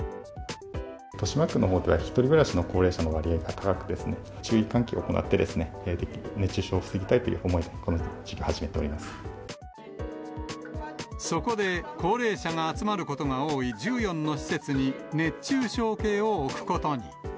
豊島区のほうでは１人暮らしの高齢者の割合が高くて、注意喚起を行って、熱中症を防ぎたいとそこで高齢者が集まることが多い１４の施設に、熱中症計を置くことに。